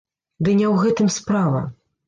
Ды не ў гэтым справа.